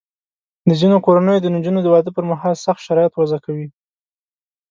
د ځینو کورنیو د نجونو د واده پر مهال سخت شرایط وضع کوي.